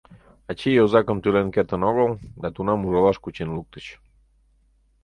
Ачий йозакым тӱлен кертын огыл, да тунам ужалаш кучен луктыч.